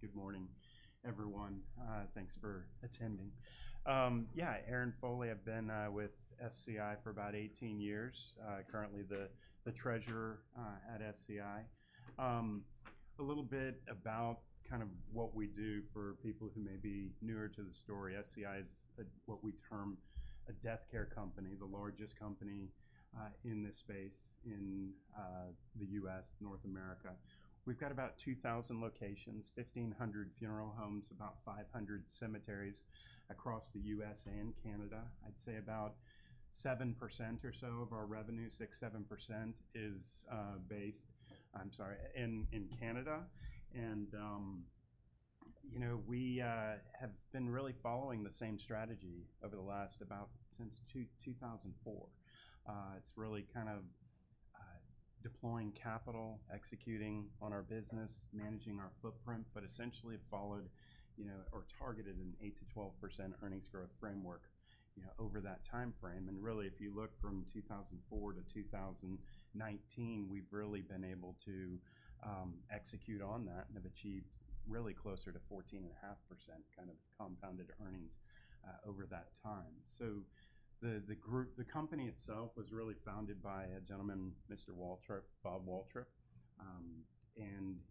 Good morning, everyone. Thanks for attending. Yeah, Aaron Foley, I've been with SCI for about 18 years, currently the Treasurer at SCI. A little bit about kind of what we do for people who may be newer to the story. SCI is what we term a death care company, the largest company in this space in the U.S., North America. We've got about 2,000 locations, 1,500 funeral homes, about 500 cemeteries across the U.S. and Canada. I'd say about 7% or so of our revenue, 6%-7%, is based—I'm sorry—in Canada. And we have been really following the same strategy over the last about since 2004. It's really kind of deploying capital, executing on our business, managing our footprint, but essentially followed or targeted an 8%-12% earnings growth framework over that timeframe. If you look from 2004-2019, we have really been able to execute on that and have achieved really closer to 14.5% kind of compounded earnings over that time. The company itself was really founded by a gentleman, Mr. Robert Waltrip.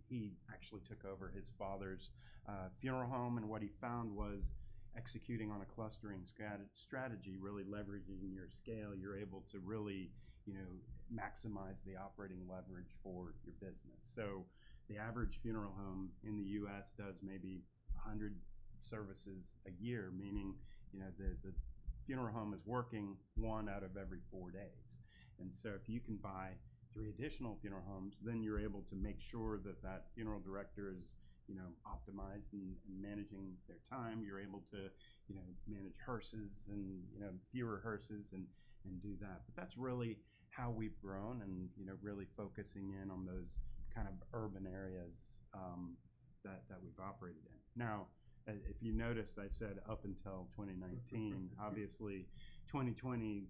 He actually took over his father's funeral home. What he found was executing on a clustering strategy, really leveraging your scale. You are able to really maximize the operating leverage for your business. The average funeral home in the U.S. does maybe 100 services a year, meaning the funeral home is working one out of every four days. If you can buy three additional funeral homes, then you are able to make sure that that funeral director is optimized in managing their time. You are able to manage hearses and fewer hearses and do that. That is really how we have grown and really focusing in on those kind of urban areas that we have operated in. Now, if you noticed, I said up until 2019. Obviously, 2020,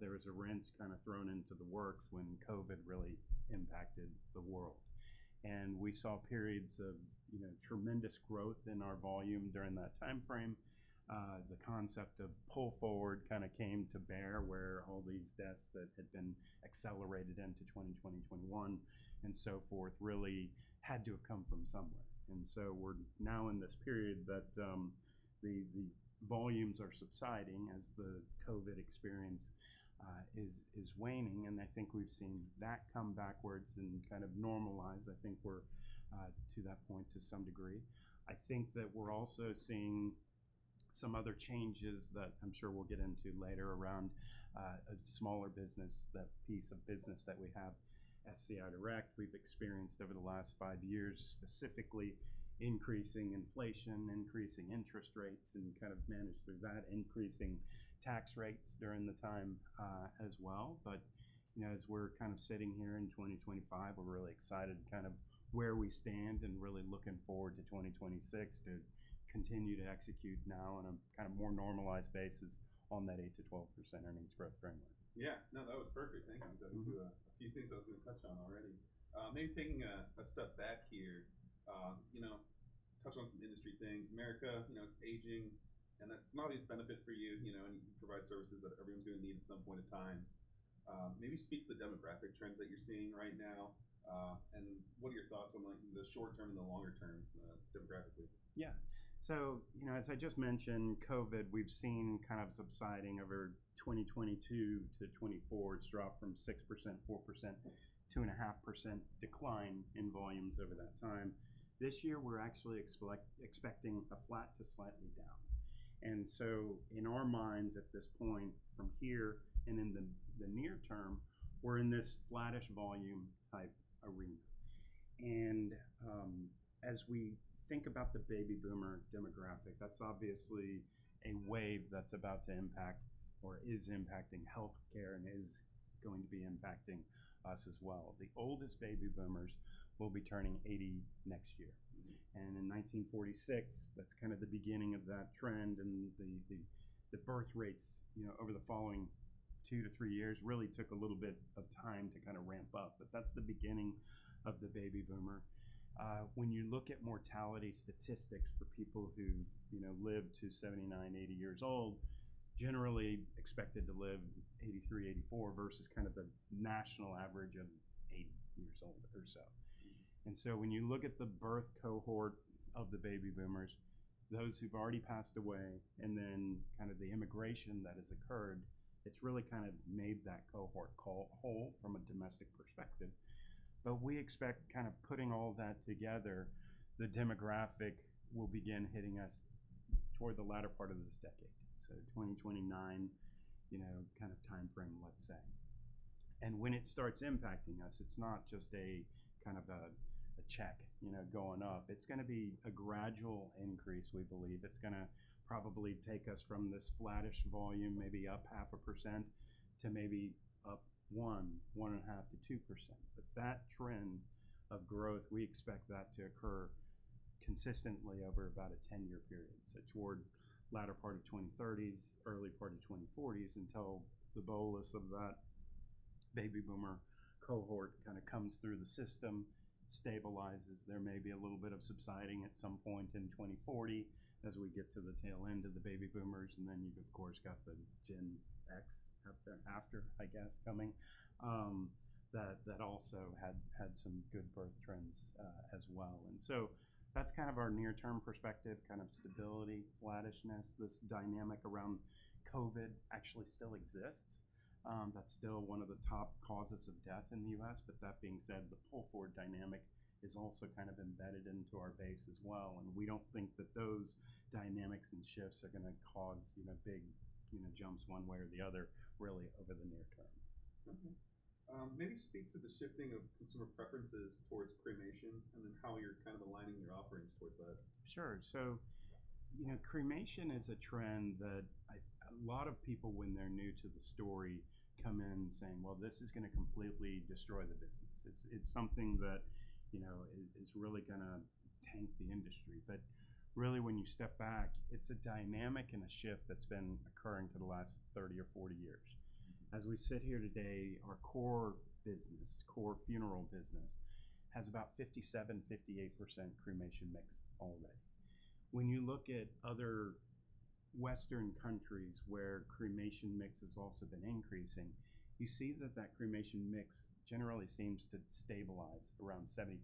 there was a wrench kind of thrown into the works when COVID really impacted the world. We saw periods of tremendous growth in our volume during that timeframe. The concept of pull forward kind of came to bear where all these deaths that had been accelerated into 2020, 2021, and so forth really had to have come from somewhere. We are now in this period that the volumes are subsiding as the COVID experience is waning. I think we have seen that come backwards and kind of normalize. I think we are to that point to some degree. I think that we're also seeing some other changes that I'm sure we'll get into later around a smaller business, that piece of business that we have, SCI Direct, we've experienced over the last five years specifically increasing inflation, increasing interest rates, and kind of managed through that, increasing tax rates during the time as well. As we're kind of sitting here in 2025, we're really excited kind of where we stand and really looking forward to 2026 to continue to execute now on a kind of more normalized basis on that 8%-12% earnings growth framework. Yeah. No, that was perfect. Thank you. I've got a few things I was going to touch on already. Maybe taking a step back here, touch on some industry things. America, it's aging, and that's not always a benefit for you. You provide services that everyone's going to need at some point in time. Maybe speak to the demographic trends that you're seeing right now. What are your thoughts on the short term and the longer term demographically? Yeah. As I just mentioned, COVID, we've seen kind of subsiding over 2022-2024. It has dropped from 6%, 4%, 2.5% decline in volumes over that time. This year, we're actually expecting a flat to slightly down. In our minds at this point from here and in the near term, we're in this flattish volume type arena. As we think about the baby boomer demographic, that's obviously a wave that's about to impact or is impacting healthcare and is going to be impacting us as well. The oldest baby boomers will be turning 80 next year. In 1946, that's kind of the beginning of that trend. The birth rates over the following two to three years really took a little bit of time to kind of ramp up. That's the beginning of the baby boomer. When you look at mortality statistics for people who live to 79, 80 years old, generally expected to live 83, 84 versus kind of the national average of 80 years old or so. When you look at the birth cohort of the baby boomers, those who've already passed away, and then kind of the immigration that has occurred, it's really kind of made that cohort whole from a domestic perspective. We expect kind of putting all that together, the demographic will begin hitting us toward the latter part of this decade. 2029 kind of timeframe, let's say. When it starts impacting us, it's not just a kind of a check going up. It's going to be a gradual increase, we believe. It's going to probably take us from this flattish volume, maybe up 0.5% to maybe up 1%, 1.5%-2%. That trend of growth, we expect that to occur consistently over about a 10-year period. Toward the latter part of the 2030s, early part of the 2040s until the bolus of that baby boomer cohort kind of comes through the system, stabilizes. There may be a little bit of subsiding at some point in 2040 as we get to the tail end of the baby boomers. You have, of course, got the Gen X after, I guess, coming that also had some good birth trends as well. That is kind of our near-term perspective, kind of stability, flattishness. This dynamic around COVID actually still exists. That is still one of the top causes of death in the U.S. That being said, the pull forward dynamic is also kind of embedded into our base as well. We do not think that those dynamics and shifts are going to cause big jumps one way or the other really over the near term. Maybe speak to the shifting of consumer preferences towards cremation and then how you're kind of aligning your offerings towards that. Sure. Cremation is a trend that a lot of people, when they're new to the story, come in saying, "Well, this is going to completely destroy the business." It is something that is really going to tank the industry. Really, when you step back, it is a dynamic and a shift that has been occurring for the last 30 or 40 years. As we sit here today, our core business, core funeral business, has about 57%-58% cremation mix all day. When you look at other Western countries where cremation mix has also been increasing, you see that cremation mix generally seems to stabilize around 75%-80%.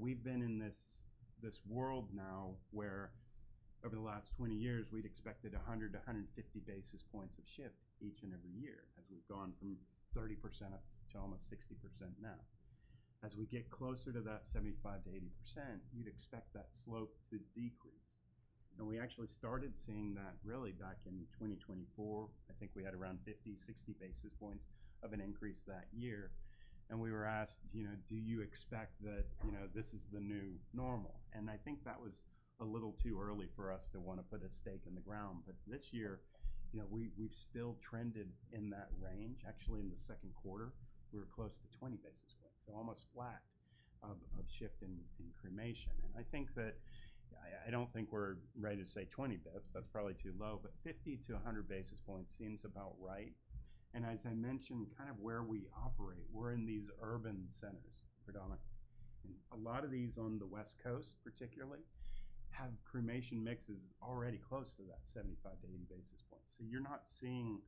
We have been in this world now where over the last 20 years, we had expected 100-150 basis points of shift each and every year as we have gone from 30% to almost 60% now. As we get closer to that 75%-80%, you'd expect that slope to decrease. We actually started seeing that really back in 2024. I think we had around 50-60 basis points of an increase that year. We were asked, "Do you expect that this is the new normal?" I think that was a little too early for us to want to put a stake in the ground. This year, we've still trended in that range. Actually, in the second quarter, we were close to 20 basis points, so almost flat of shift in cremation. I think that I don't think we're ready to say 20 basis points. That's probably too low. Fifty to 100 basis points seems about right. As I mentioned, kind of where we operate, we're in these urban centers predominantly. A lot of these on the West Coast, particularly, have cremation mixes already close to that 75-80 basis points. You are not seeing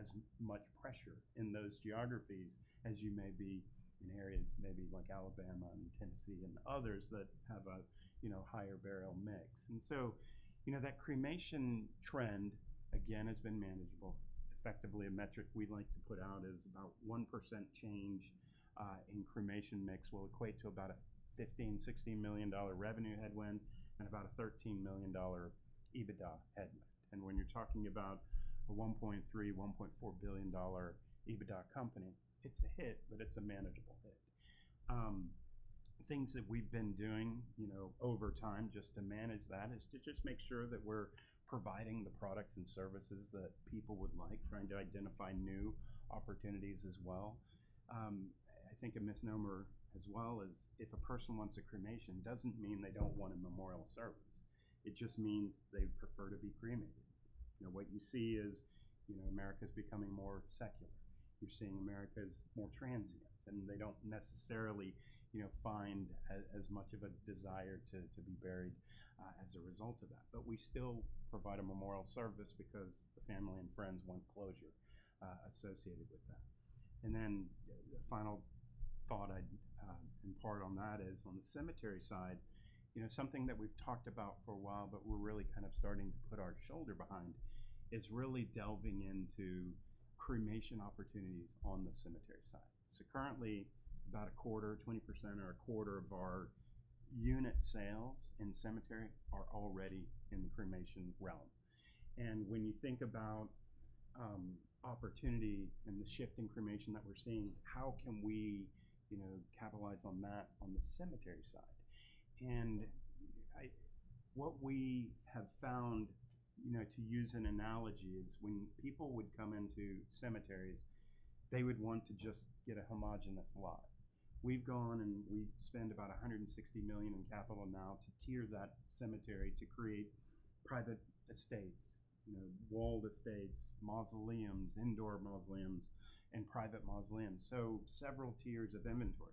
as much pressure in those geographies as you may be in areas maybe like Alabama and Tennessee and others that have a higher burial mix. That cremation trend, again, has been manageable. Effectively, a metric we like to put out is about 1% change in cremation mix will equate to about a $15 million-$16 million revenue headwind and about a $13 million EBITDA headwind. When you are talking about a $1.3 billion-$1.4 billion EBITDA company, it is a hit, but it is a manageable hit. Things that we have been doing over time just to manage that is to just make sure that we are providing the products and services that people would like, trying to identify new opportunities as well. I think a misnomer as well is if a person wants a cremation, it doesn't mean they don't want a memorial service. It just means they prefer to be cremated. What you see is America is becoming more secular. You're seeing America is more transient, and they don't necessarily find as much of a desire to be buried as a result of that. We still provide a memorial service because the family and friends want closure associated with that. The final thought I'd impart on that is on the cemetery side, something that we've talked about for a while, but we're really kind of starting to put our shoulder behind is really delving into cremation opportunities on the cemetery side. Currently, about 1/4, 20% or 1/4 of our unit sales in cemetery are already in the cremation realm. When you think about opportunity and the shift in cremation that we're seeing, how can we capitalize on that on the cemetery side? What we have found, to use an analogy, is when people would come into cemeteries, they would want to just get a homogenous lot. We've gone and we spend about $160 million in capital now to tier that cemetery to create private estates, walled estates, mausoleums, indoor mausoleums, and private mausoleums. Several tiers of inventory.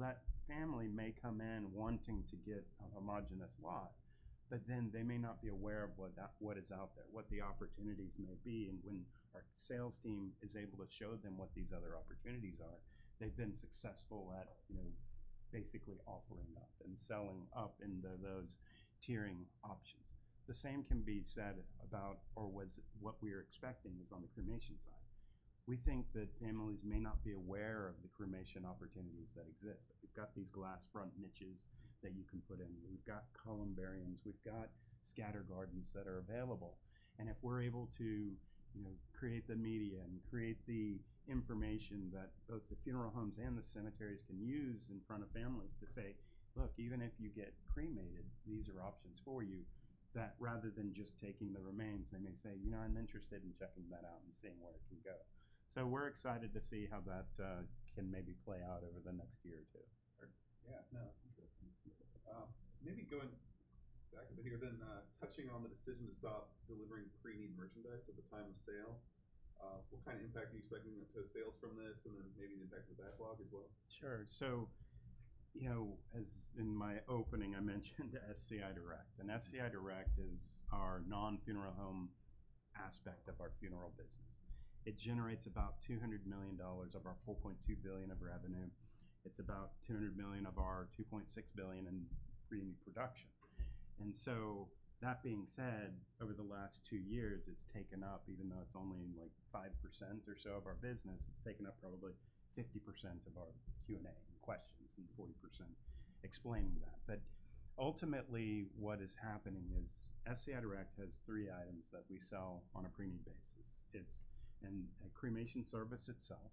That family may come in wanting to get a homogenous lot, but then they may not be aware of what is out there, what the opportunities may be. When our sales team is able to show them what these other opportunities are, they've been successful at basically offering up and selling up into those tiering options. The same can be said about or what we are expecting is on the cremation side. We think that families may not be aware of the cremation opportunities that exist. We've got these glass front niches that you can put in. We've got columbariums. We've got scatter gardens that are available. If we're able to create the media and create the information that both the funeral homes and the cemeteries can use in front of families to say, "Look, even if you get cremated, these are options for you," that rather than just taking the remains, they may say, "I'm interested in checking that out and seeing where it can go." We are excited to see how that can maybe play out over the next year or two. Yeah. No, that's interesting. Maybe going back a bit here, then touching on the decision to stop delivering pre-need merchandise at the time of sale, what kind of impact are you expecting to sales from this, and then maybe the impact of the backlog as well? Sure. As in my opening, I mentioned SCI Direct. SCI Direct is our non-funeral home aspect of our funeral business. It generates about $200 million of our $4.2 billion of revenue. It is about $200 million of our $2.6 billion in pre-need production. That being said, over the last two years, it has taken up, even though it is only like 5% or so of our business, it has taken up probably 50% of our Q&A and questions and 40% explaining that. Ultimately, what is happening is SCI Direct has three items that we sell on a pre-need basis. It is a cremation service itself,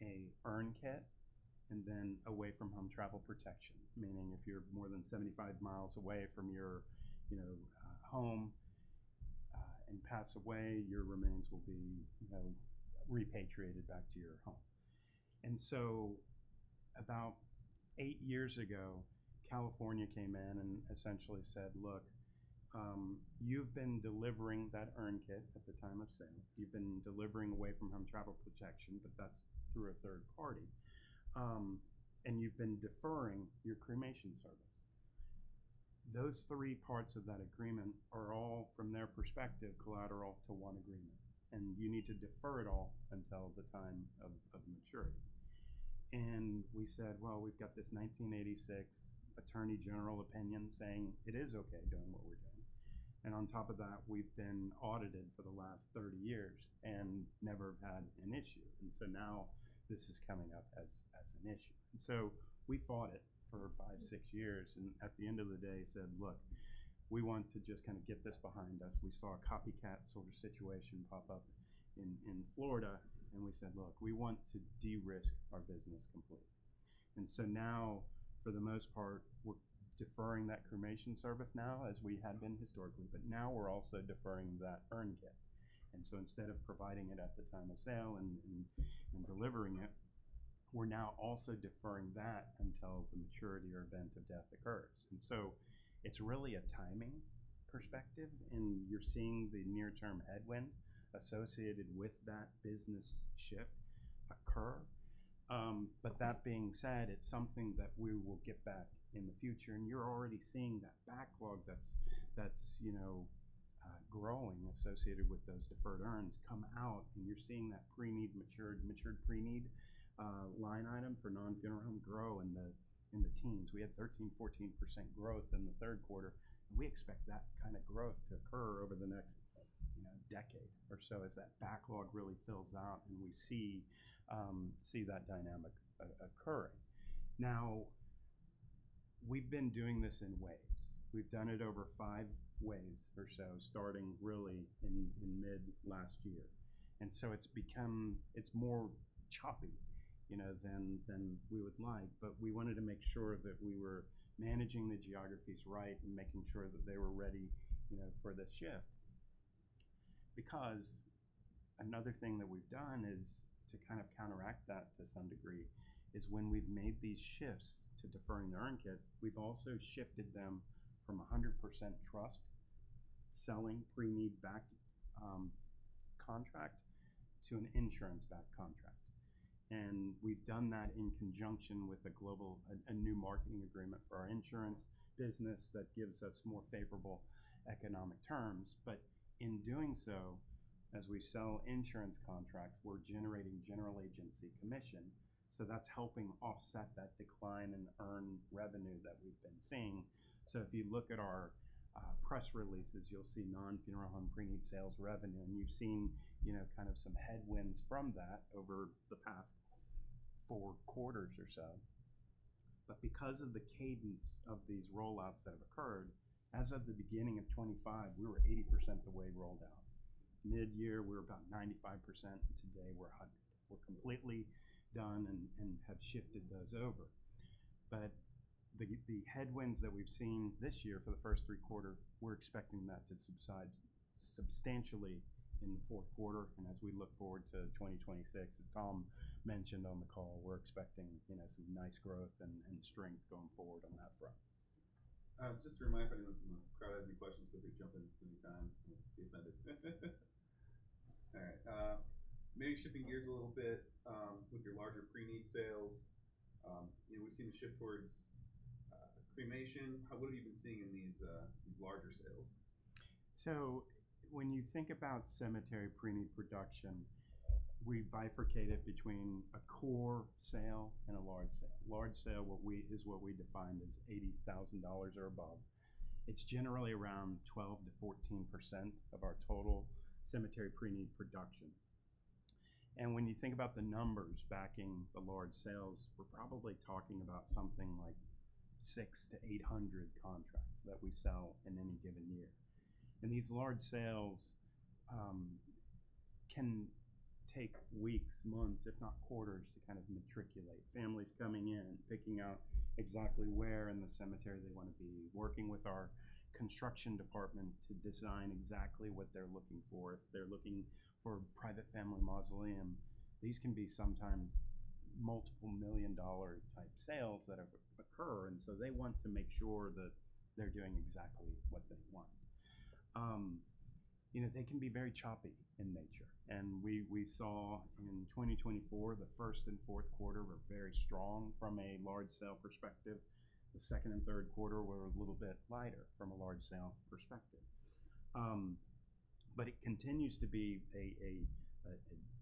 an urn kit, and then away-from-home travel protection, meaning if you are more than 75 mi away from your home and pass away, your remains will be repatriated back to your home. About eight years ago, California came in and essentially said, "Look, you've been delivering that urn kit at the time of sale. You've been delivering away-from-home travel protection, but that's through a third party. And you've been deferring your cremation service." Those three parts of that agreement are all, from their perspective, collateral to one agreement. You need to defer it all until the time of maturity. We said, "We've got this 1986 attorney general opinion saying it is okay doing what we're doing." On top of that, we've been audited for the last 30 years and never had an issue. Now this is coming up as an issue. We fought it for five, six years and at the end of the day said, "Look, we want to just kind of get this behind us." We saw a copycat sort of situation pop up in Florida, and we said, "Look, we want to de-risk our business completely." For the most part, we're deferring that cremation service now as we had been historically. Now we're also deferring that urn kit. Instead of providing it at the time of sale and delivering it, we're now also deferring that until the maturity or event of death occurs. It is really a timing perspective, and you're seeing the near-term headwind associated with that business shift occur. That being said, it's something that we will get back in the future. You're already seeing that backlog that's growing associated with those deferred urns come out, and you're seeing that pre-need matured, matured pre-need line item for non-funeral home grow in the teens. We had 13%-14% growth in the third quarter. We expect that kind of growth to occur over the next decade or so as that backlog really fills out and we see that dynamic occurring. Now, we've been doing this in waves. We've done it over five waves or so, starting really in mid-last year. It is more choppy than we would like, but we wanted to make sure that we were managing the geographies right and making sure that they were ready for this shift. Because another thing that we've done is to kind of counteract that to some degree is when we've made these shifts to deferring the urn kit, we've also shifted them from 100% trust selling pre-need back contract to an insurance back contract. We've done that in conjunction with a new marketing agreement for our insurance business that gives us more favorable economic terms. In doing so, as we sell insurance contracts, we're generating general agency commission. That's helping offset that decline in earned revenue that we've been seeing. If you look at our press releases, you'll see non-funeral home pre-need sales revenue, and you've seen kind of some headwinds from that over the past four quarters or so. Because of the cadence of these rollouts that have occurred, as of the beginning of 2025, we were 80% the way rolled out. Mid-year, we were about 95%. Today, we're 100%. We're completely done and have shifted those over. The headwinds that we've seen this year for the first three quarters, we're expecting that to subside substantially in the fourth quarter. As we look forward to 2026, as Tom mentioned on the call, we're expecting some nice growth and strength going forward on that front. Just to remind everyone from the crowd, if you have any questions, feel free to jump in at any time. I will not be offended. All right. Maybe shifting gears a little bit with your larger pre-need sales. We have seen a shift towards cremation. What have you been seeing in these larger sales? When you think about cemetery pre-need production, we bifurcate it between a core sale and a large sale. Large sale is what we defined as $80,000 or above. It's generally around 12%-14% of our total cemetery pre-need production. When you think about the numbers backing the large sales, we're probably talking about something like 6-800 contracts that we sell in any given year. These large sales can take weeks, months, if not quarters, to kind of matriculate families coming in and picking out exactly where in the cemetery they want to be, working with our construction department to design exactly what they're looking for. If they're looking for a private family mausoleum, these can be sometimes multiple million dollar type sales that occur. They want to make sure that they're doing exactly what they want. They can be very choppy in nature. We saw in 2024, the first and fourth quarter were very strong from a large sale perspective. The second and third quarter were a little bit lighter from a large sale perspective. It continues to be a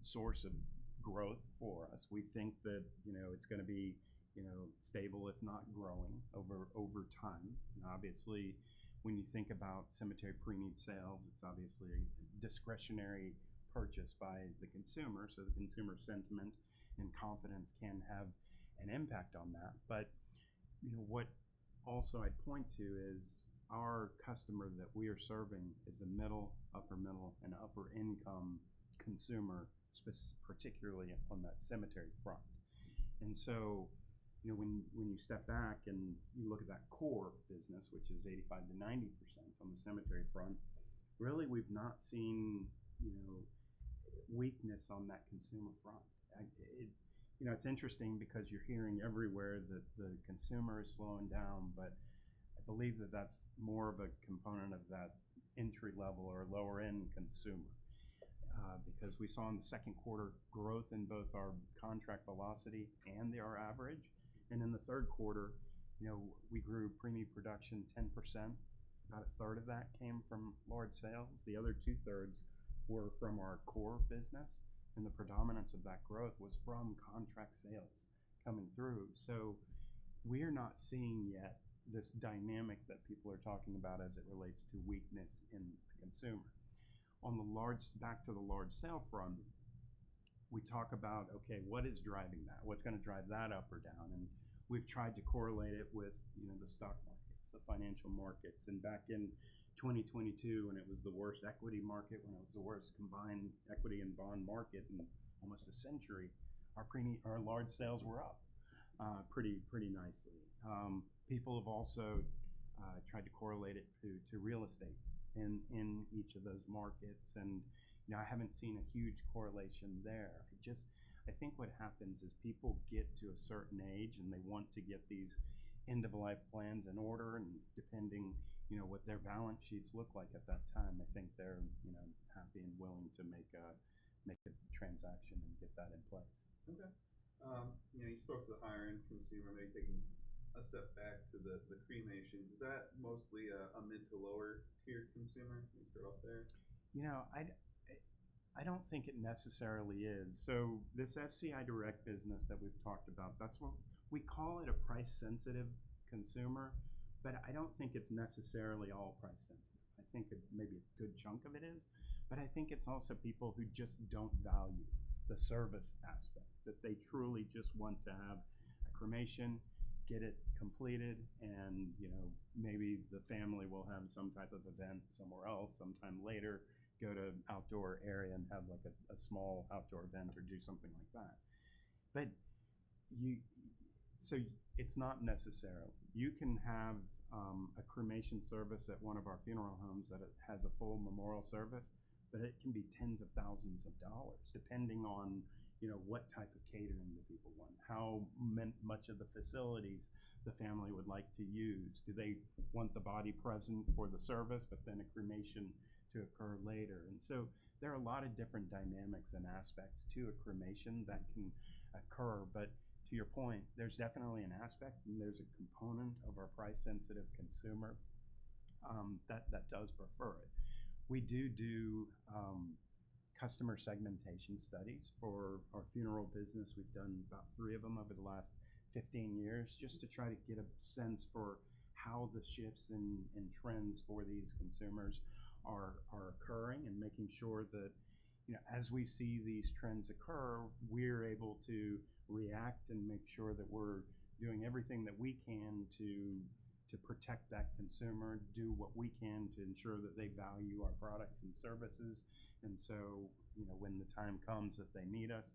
source of growth for us. We think that it's going to be stable, if not growing, over time. Obviously, when you think about cemetery pre-need sales, it's a discretionary purchase by the consumer. The consumer sentiment and confidence can have an impact on that. What I'd also point to is our customer that we are serving is a middle, upper-middle, and upper-income consumer, particularly on that cemetery front. When you step back and you look at that core business, which is 85%-90% on the cemetery front, really we've not seen weakness on that consumer front. It's interesting because you're hearing everywhere that the consumer is slowing down, but I believe that that's more of a component of that entry-level or lower-end consumer. Because we saw in the second quarter growth in both our contract velocity and our average. In the third quarter, we grew pre-need production 10%. About 1/3 of that came from large sales. The other 2/3 were from our core business. The predominance of that growth was from contract sales coming through. We are not seeing yet this dynamic that people are talking about as it relates to weakness in the consumer. On the large, back to the large sale front, we talk about, okay, what is driving that? What's going to drive that up or down? We have tried to correlate it with the stock markets, the financial markets. Back in 2022, when it was the worst equity market, when it was the worst combined equity and bond market in almost a century, our large sales were up pretty nicely. People have also tried to correlate it to real estate in each of those markets. I have not seen a huge correlation there. I think what happens is people get to a certain age and they want to get these end-of-life plans in order. Depending on what their balance sheets look like at that time, I think they are happy and willing to make a transaction and get that in place. Okay. You spoke to the higher-end consumer. Maybe taking a step back to the cremations. Is that mostly a mid to lower-tier consumer? You start off there. I don't think it necessarily is. This SCI Direct business that we've talked about, we call it a price-sensitive consumer, but I don't think it's necessarily all price-sensitive. I think maybe a good chunk of it is. I think it's also people who just don't value the service aspect, that they truly just want to have a cremation, get it completed, and maybe the family will have some type of event somewhere else, sometime later, go to an outdoor area and have a small outdoor event or do something like that. It's not necessarily. You can have a cremation service at one of our funeral homes that has a full memorial service, but it can be tens of thousands of dollars, depending on what type of catering the people want, how much of the facilities the family would like to use. Do they want the body present for the service, but then a cremation to occur later? There are a lot of different dynamics and aspects to a cremation that can occur. To your point, there's definitely an aspect, and there's a component of our price-sensitive consumer that does prefer it. We do do customer segmentation studies for our funeral business. We've done about three of them over the last 15 years just to try to get a sense for how the shifts and trends for these consumers are occurring and making sure that as we see these trends occur, we're able to react and make sure that we're doing everything that we can to protect that consumer, do what we can to ensure that they value our products and services. When the time comes that they need us,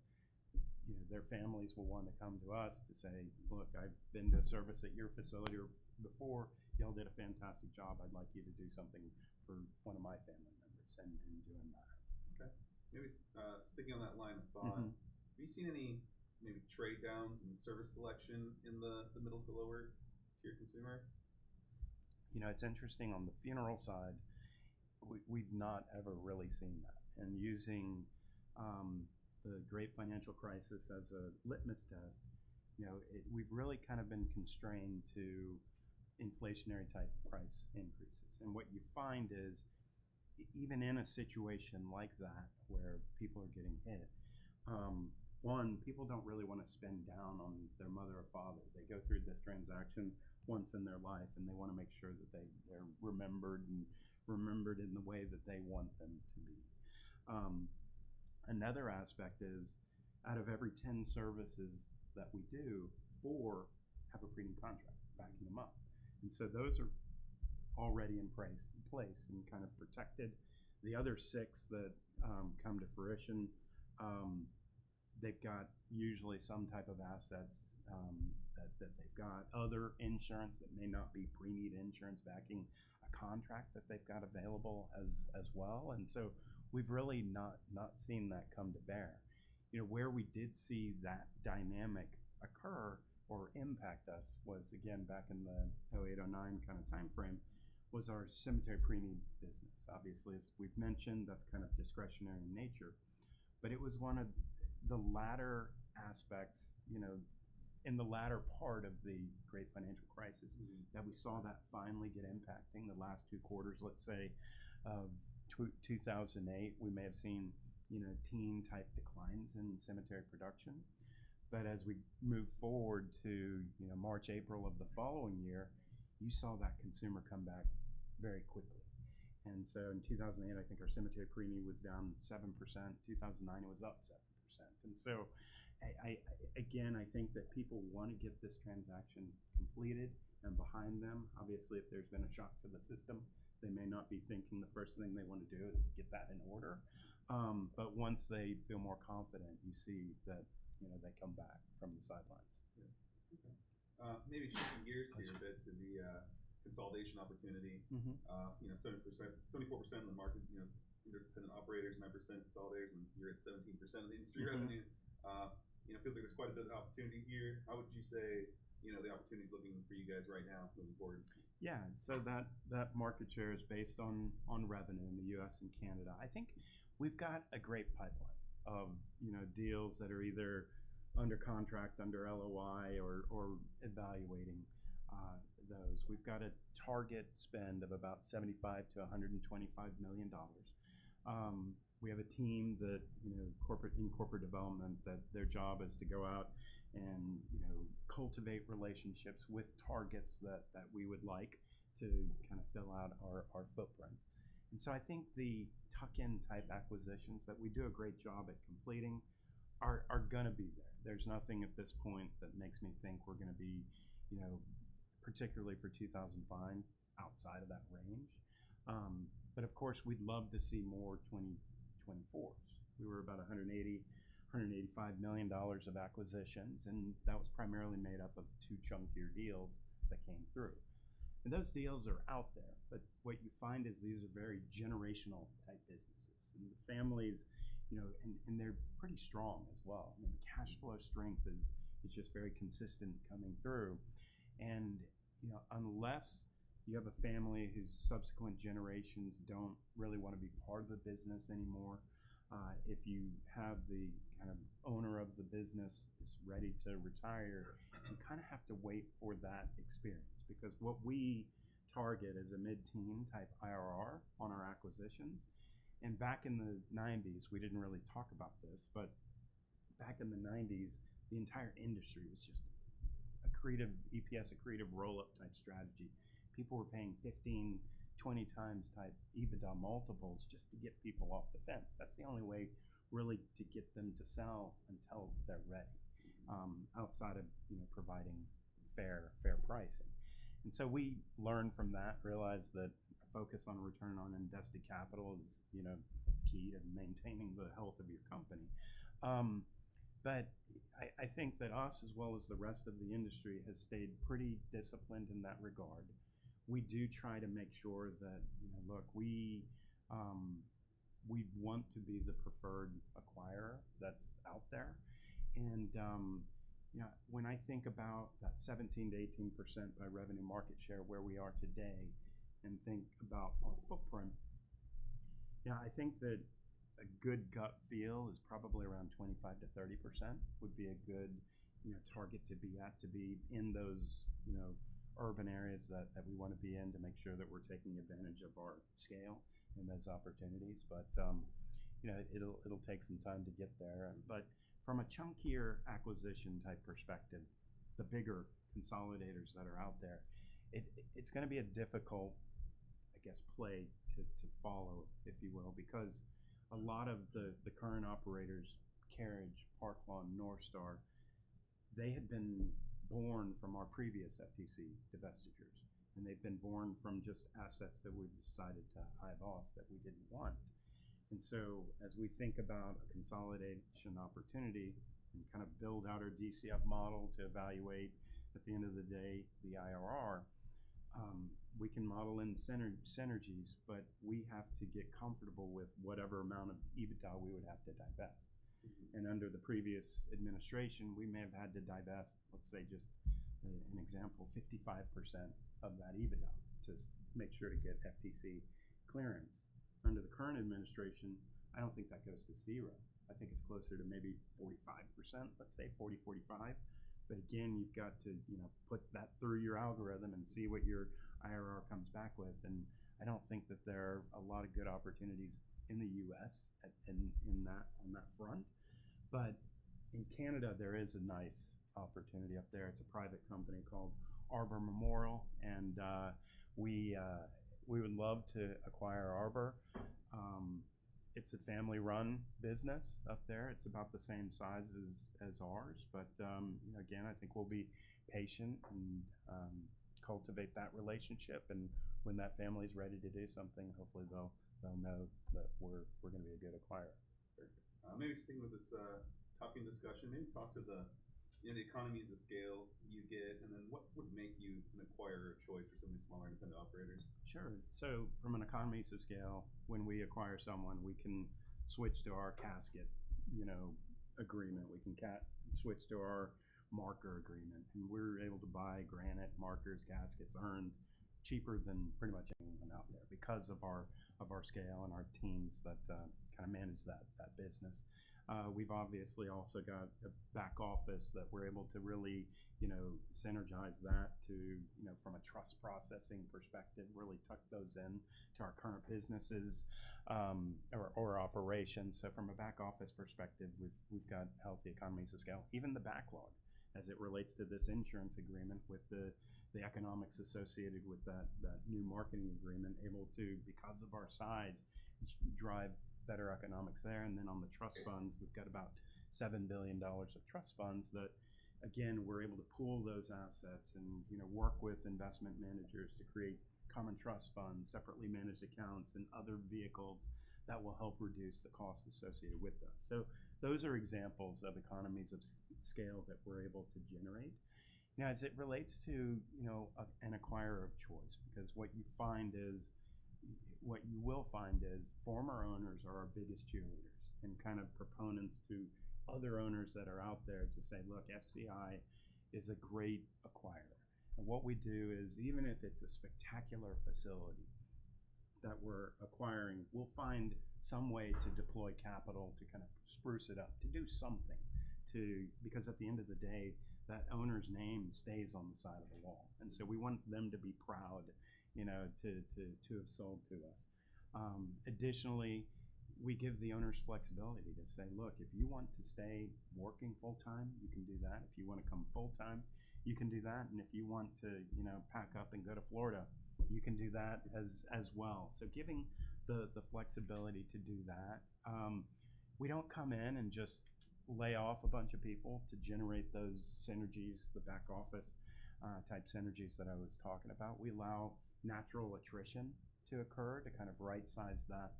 their families will want to come to us to say, "Look, I've been to a service at your facility before. Y'all did a fantastic job. I'd like you to do something for one of my family members and doing that. Okay. Maybe sticking on that line of thought, have you seen any maybe trade-downs in the service selection in the middle to lower-tier consumer? It's interesting. On the funeral side, we've not ever really seen that. Using the Great Financial Crisis as a litmus test, we've really kind of been constrained to inflationary-type price increases. What you find is, even in a situation like that where people are getting hit, one, people do not really want to spend down on their mother or father. They go through this transaction once in their life, and they want to make sure that they're remembered and remembered in the way that they want them to be. Another aspect is, out of every 10 services that we do, four have a pre-need contract backing them up. Those are already in place and kind of protected. The other six that come to fruition, they've got usually some type of assets that they've got, other insurance that may not be pre-need insurance backing a contract that they've got available as well. We have really not seen that come to bear. Where we did see that dynamic occur or impact us was, again, back in the 2008, 2009 kind of timeframe, was our cemetery pre-need business. Obviously, as we've mentioned, that's kind of discretionary in nature. It was one of the latter aspects in the latter part of the Great Financial Crisis that we saw that finally get impacting. The last two quarters, let's say, of 2008, we may have seen teen-type declines in cemetery production. As we move forward to March, April of the following year, you saw that consumer come back very quickly. In 2008, I think our cemetery pre-need was down 7%. In 2009, it was up 7%. I think that people want to get this transaction completed and behind them. Obviously, if there's been a shock to the system, they may not be thinking the first thing they want to do is get that in order. Once they feel more confident, you see that they come back from the sidelines. Okay. Maybe shifting gears here a bit to the consolidation opportunity. 74% of the market, independent operators, 9% consolidators, and you're at 17% of the industry revenue. It feels like there's quite a bit of opportunity here. How would you say the opportunity is looking for you guys right now moving forward? Yeah. So that market share is based on revenue in the U.S. and Canada. I think we've got a great pipeline of deals that are either under contract, under LOI, or evaluating those. We've got a target spend of about $75 million-$125 million. We have a team in corporate development that their job is to go out and cultivate relationships with targets that we would like to kind of fill out our footprint. I think the tuck-in-type acquisitions that we do a great job at completing are going to be there. There's nothing at this point that makes me think we're going to be, particularly for 2025, outside of that range. Of course, we'd love to see more 2024s. We were about $180 million-$185 million of acquisitions, and that was primarily made up of two chunkier deals that came through. Those deals are out there. What you find is these are very generational-type businesses. The families, and they're pretty strong as well. I mean, the cash flow strength is just very consistent coming through. Unless you have a family whose subsequent generations do not really want to be part of the business anymore, if you have the kind of owner of the business who is ready to retire, you kind of have to wait for that experience. What we target is a mid-teen-type IRR on our acquisitions. Back in the 1990s, we did not really talk about this, but back in the 1990s, the entire industry was just a creative EPS, a creative roll-up type strategy. People were paying 15x-20x type EBITDA multiples just to get people off the fence. That is the only way really to get them to sell until they are ready, outside of providing fair pricing. We learned from that, realized that a focus on return on invested capital is key to maintaining the health of your company. I think that us, as well as the rest of the industry, has stayed pretty disciplined in that regard. We do try to make sure that, look, we want to be the preferred acquirer that's out there. When I think about that 17%-18% by revenue market share where we are today and think about our footprint, I think that a good gut feel is probably around 25%-30% would be a good target to be at, to be in those urban areas that we want to be in to make sure that we're taking advantage of our scale and those opportunities. It'll take some time to get there. From a chunkier acquisition type perspective, the bigger consolidators that are out there, it's going to be a difficult, I guess, play to follow, if you will. Because a lot of the current operators, Carriage, Park Lawn, NorthStar, they had been born from our previous FTC divestitures. They have been born from just assets that we decided to hive off that we did not want. As we think about a consolidation opportunity and kind of build out our DCF model to evaluate, at the end of the day, the IRR, we can model in synergies, but we have to get comfortable with whatever amount of EBITDA we would have to divest. Under the previous administration, we may have had to divest, let's say, just an example, 55% of that EBITDA to make sure to get FTC clearance. Under the current administration, I do not think that goes to zero. I think it's closer to maybe 45%, let's say 40%-45%. But again, you've got to put that through your algorithm and see what your IRR comes back with. I don't think that there are a lot of good opportunities in the U.S. on that front. In Canada, there is a nice opportunity up there. It's a private company called Arbor Memorial. We would love to acquire Arbor. It's a family-run business up there. It's about the same size as ours. I think we'll be patient and cultivate that relationship. When that family's ready to do something, hopefully, they'll know that we're going to be a good acquirer. Maybe sticking with this talking discussion, maybe talk to the economies of scale you get, and then what would make you an acquirer of choice for some of these smaller independent operators? Sure. From an economies of scale, when we acquire someone, we can switch to our casket agreement. We can switch to our marker agreement. We are able to buy granite markers, caskets, urns cheaper than pretty much anyone out there because of our scale and our teams that kind of manage that business. We have obviously also got a back office that we are able to really synergize that from a trust processing perspective, really tuck those into our current businesses or operations. From a back office perspective, we have healthy economies of scale. Even the backlog, as it relates to this insurance agreement with the economics associated with that new marketing agreement, we are able to, because of our size, drive better economics there. On the trust funds, we've got about $7 billion of trust funds that, again, we're able to pool those assets and work with investment managers to create common trust funds, separately managed accounts, and other vehicles that will help reduce the cost associated with them. Those are examples of economies of scale that we're able to generate. Now, as it relates to an acquirer of choice, what you find is former owners are our biggest cheerleaders and kind of proponents to other owners that are out there to say, "Look, SCI is a great acquirer." What we do is, even if it's a spectacular facility that we're acquiring, we'll find some way to deploy capital to kind of spruce it up, to do something. Because at the end of the day, that owner's name stays on the side of the wall. We want them to be proud to have sold to us. Additionally, we give the owners flexibility to say, "Look, if you want to stay working full-time, you can do that. If you want to come full-time, you can do that. If you want to pack up and go to Florida, you can do that as well." Giving the flexibility to do that. We do not come in and just lay off a bunch of people to generate those synergies, the back office type synergies that I was talking about. We allow natural attrition to occur to kind of right-size that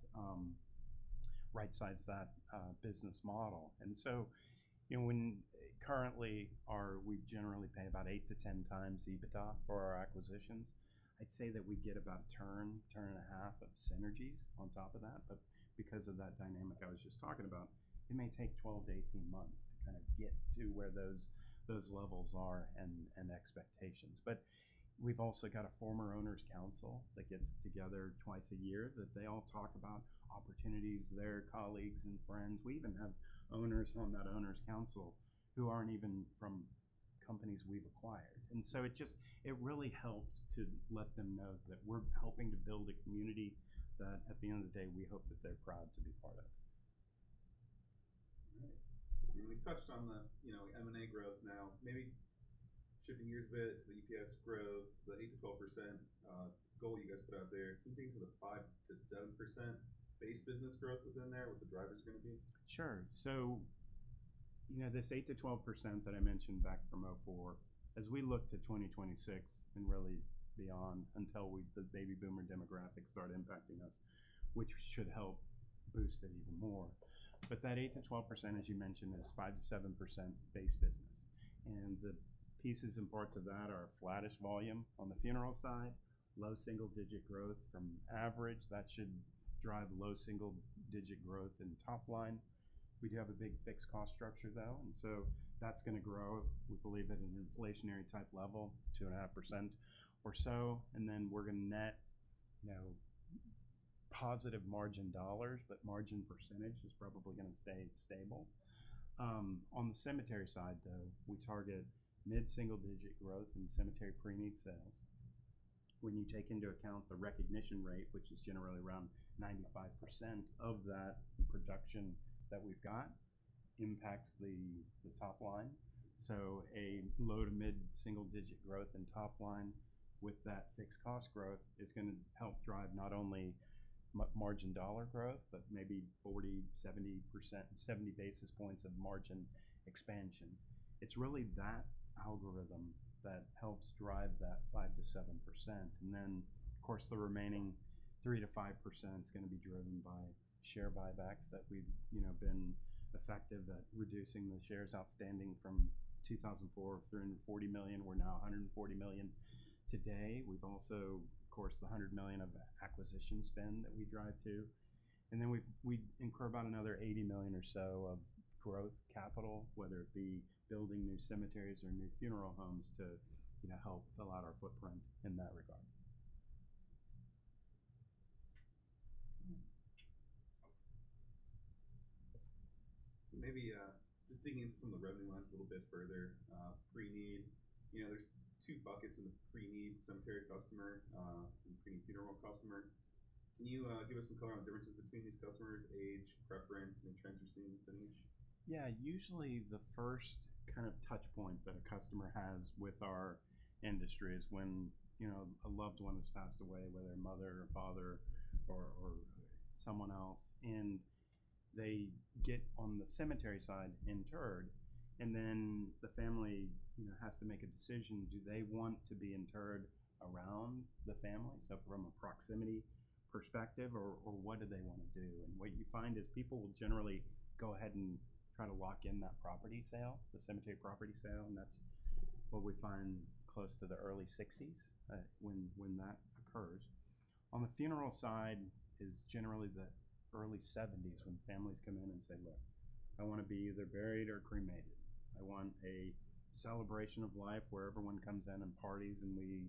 business model. When currently we generally pay about 8x-10x EBITDA for our acquisitions, I'd say that we get about a turn, turn and a half of synergies on top of that. Because of that dynamic I was just talking about, it may take 12-18 months to kind of get to where those levels are and expectations. We've also got a former owners' council that gets together twice a year that they all talk about opportunities, their colleagues and friends. We even have owners on that owners' council who aren't even from companies we've acquired. It really helps to let them know that we're helping to build a community that, at the end of the day, we hope that they're proud to be part of. All right. We touched on the M&A growth now. Maybe shifting gears a bit to the EPS growth, the 8%-12% goal you guys put out there, keeping to the 5%-7% base business growth within there with the drivers going to be? Sure. This 8%-12% that I mentioned back from 2004, as we look to 2026 and really beyond until the baby boomer demographic started impacting us, should help boost it even more. That 8%-12%, as you mentioned, is 5%-7% base business. The pieces and parts of that are flattish volume on the funeral side, low single-digit growth from average. That should drive low single-digit growth in the top line. We do have a big fixed cost structure, though. That is going to grow, we believe, at an inflationary type level, 2.5% or so. We are going to net positive margin dollars, but margin percentage is probably going to stay stable. On the cemetery side, we target mid-single-digit growth in cemetery pre-need sales. When you take into account the recognition rate, which is generally around 95% of that production that we've got, impacts the top line. A low to mid-single-digit growth in top line with that fixed cost growth is going to help drive not only margin dollar growth, but maybe 40-70 basis points of margin expansion. It's really that algorithm that helps drive that 5%-7%. Of course, the remaining 3%-5% is going to be driven by share buybacks that we've been effective at reducing the shares outstanding from 2004 of $340 million. We're now $140 million today. We've also, of course, the $100 million of acquisition spend that we drive to. We incur about another $80 million or so of growth capital, whether it be building new cemeteries or new funeral homes to help fill out our footprint in that regard. Maybe just digging into some of the revenue lines a little bit further, pre-need, there's two buckets in the pre-need cemetery customer and pre-need funeral customer. Can you give us some color on differences between these customers, age, preference, and trends you're seeing within each? Yeah. Usually, the first kind of touchpoint that a customer has with our industry is when a loved one has passed away, whether a mother or father or someone else. They get on the cemetery side interred, and then the family has to make a decision. Do they want to be interred around the family, from a proximity perspective, or what do they want to do? What you find is people will generally go ahead and try to lock in that property sale, the cemetery property sale. That is what we find close to the early 60s when that occurs. On the funeral side, it is generally the early 70s when families come in and say, "Look, I want to be either buried or cremated. I want a celebration of life where everyone comes in and parties and we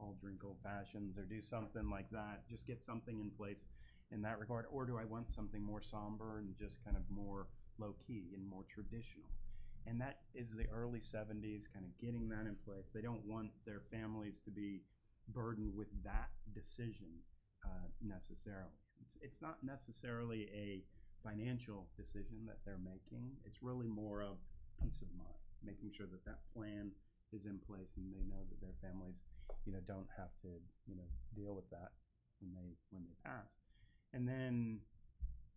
all drink old fashions or do something like that, just get something in place in that regard. Do I want something more somber and just kind of more low-key and more traditional? That is the early 70s, kind of getting that in place. They do not want their families to be burdened with that decision necessarily. It is not necessarily a financial decision that they are making. It is really more of peace of mind, making sure that that plan is in place and they know that their families do not have to deal with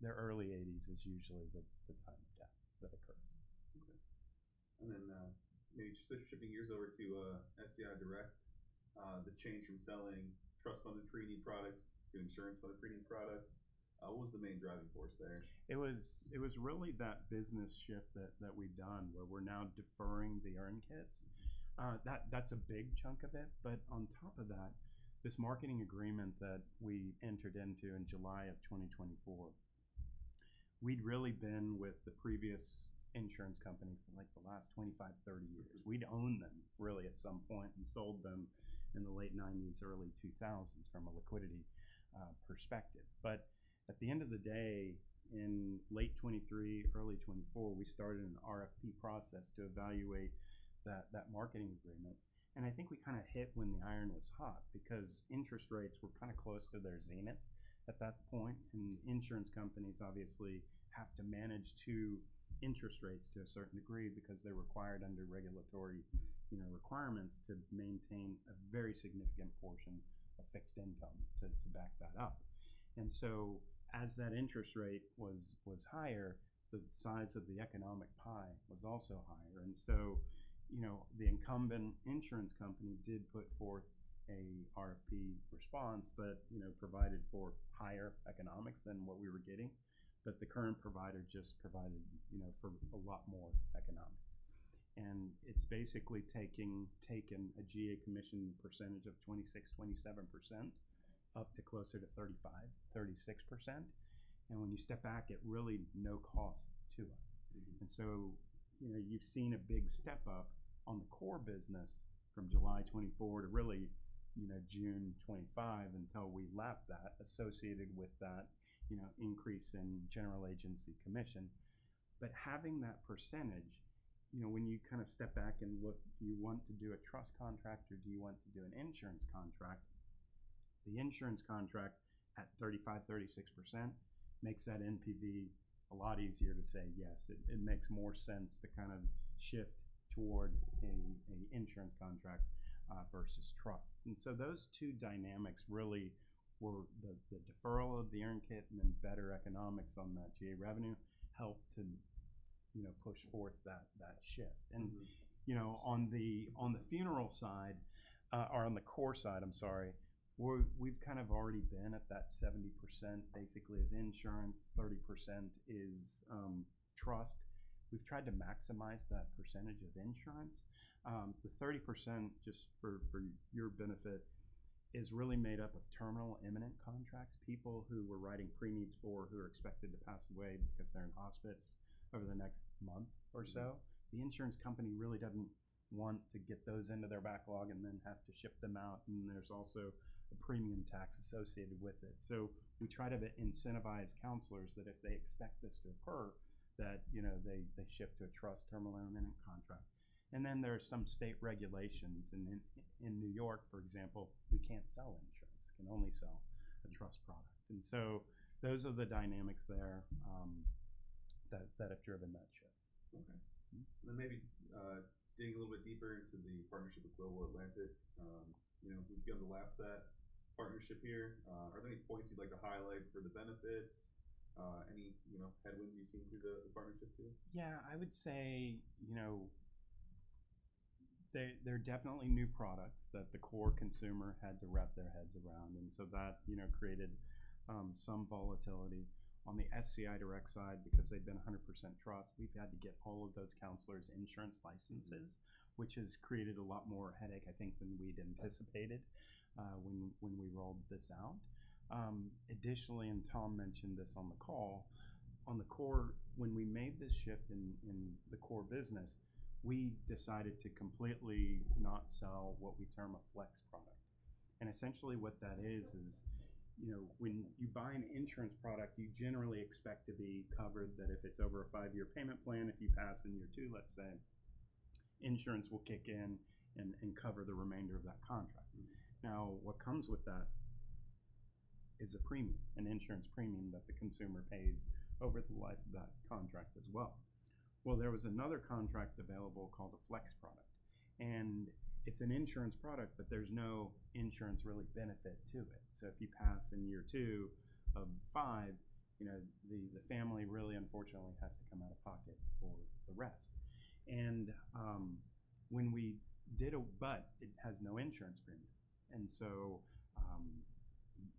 that when they pass. The early 80s is usually the time of death that occurs. Okay. Maybe just shifting gears over to SCI Direct, the change from selling trust funded pre-need products to insurance funded pre-need products, what was the main driving force there? It was really that business shift that we've done where we're now deferring the urn kits. That's a big chunk of it. On top of that, this marketing agreement that we entered into in July of 2024, we'd really been with the previous insurance company for like the last 25-30 years. We'd owned them really at some point and sold them in the late 1990s, early 2000s from a liquidity perspective. At the end of the day, in late 2023, early 2024, we started an RFP process to evaluate that marketing agreement. I think we kind of hit when the iron was hot because interest rates were kind of close to their zenith at that point. Insurance companies obviously have to manage two interest rates to a certain degree because they are required under regulatory requirements to maintain a very significant portion of fixed income to back that up. As that interest rate was higher, the size of the economic pie was also higher. The incumbent insurance company did put forth an RFP response that provided for higher economics than what we were getting, but the current provider just provided for a lot more economics. It has basically taken a GA commission percentage of 26%-27% up to closer to 35%-36%. When you step back, it is really no cost to us. You have seen a big step up on the core business from July 2024 to really June 2025 until we left that associated with that increase in general agency commission. Having that percentage, when you kind of step back and look, do you want to do a trust contract or do you want to do an insurance contract? The insurance contract at 35%-36% makes that NPV a lot easier to say yes. It makes more sense to kind of shift toward an insurance contract versus trust. Those two dynamics really were the deferral of the urn kit and then better economics on that GA revenue helped to push forth that shift. On the funeral side or on the core side, I'm sorry, we've kind of already been at that 70% basically is insurance, 30% is trust. We've tried to maximize that percentage of insurance. The 30% just for your benefit is really made up of terminal imminent contracts, people who we're writing pre-needs for who are expected to pass away because they're in hospice over the next month or so. The insurance company really doesn't want to get those into their backlog and then have to ship them out. There is also a premium tax associated with it. We try to incentivize counselors that if they expect this to occur, that they shift to a trust terminal imminent contract. There are some state regulations. In New York, for example, we can't sell insurance. We can only sell a trust product. Those are the dynamics there that have driven that shift. Okay. Maybe digging a little bit deeper into the partnership with Global Atlantic, we've gone to last that partnership here. Are there any points you'd like to highlight for the benefits? Any headwinds you've seen through the partnership here? Yeah. I would say there are definitely new products that the core consumer had to wrap their heads around. That created some volatility. On the SCI Direct side, because they have been 100% trust, we have had to get all of those counselors' insurance licenses, which has created a lot more headache, I think, than we had anticipated when we rolled this out. Additionally, Tom mentioned this on the call, on the core, when we made this shift in the core business, we decided to completely not sell what we term a flex product. Essentially what that is, is when you buy an insurance product, you generally expect to be covered that if it is over a five-year payment plan, if you pass in year two, let's say, insurance will kick in and cover the remainder of that contract. Now, what comes with that is a premium, an insurance premium that the consumer pays over the life of that contract as well. There was another contract available called a flex product. And it's an insurance product, but there's no insurance really benefit to it. If you pass in year two of five, the family really unfortunately has to come out of pocket for the rest. When we did a, but it has no insurance premium.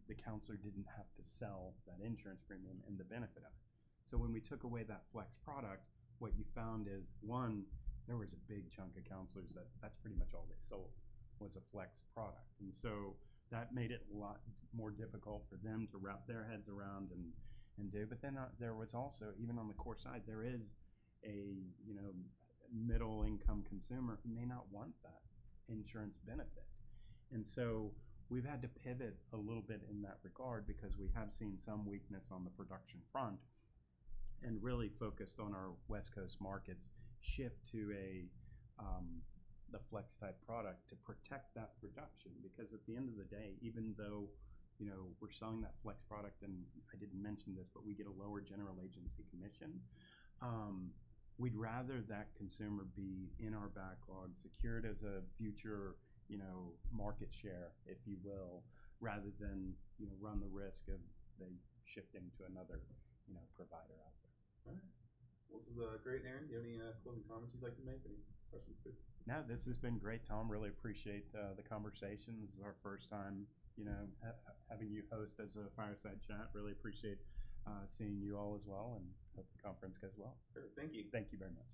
The counselor did not have to sell that insurance premium and the benefit of it. When we took away that flex product, what you found is, one, there was a big chunk of counselors that that's pretty much all they sold was a flex product. That made it a lot more difficult for them to wrap their heads around and do. There was also, even on the core side, there is a middle-income consumer who may not want that insurance benefit. We have had to pivot a little bit in that regard because we have seen some weakness on the production front and really focused on our West Coast markets shift to the flex type product to protect that production. At the end of the day, even though we are selling that flex product, and I did not mention this, but we get a lower general agency commission, we would rather that consumer be in our backlog, secured as a future market share, if you will, rather than run the risk of them shifting to another provider out there. All right. This was great, Aaron. Do you have any closing comments you'd like to make? Any questions? No, this has been great, Tom. Really appreciate the conversation. This is our first time having you host as a fireside chat. Really appreciate seeing you all as well and hope the conference goes well. Perfect. Thank you. Thank you very much.